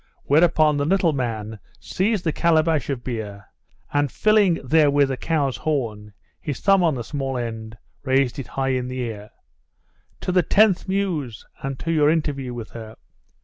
Whereon the little man seized the calabash of beer, and filling therewith a cow's horn, his thumb on the small end, raised it high in the air. 'To the Tenth Muse, and to your interview with her!